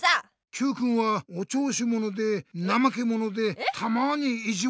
Ｑくんはおちょうしものでなまけものでたまにイジワルで。